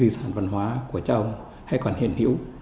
các di sản văn hóa của cháu hay còn hiển hiểu